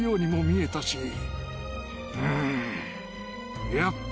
うん。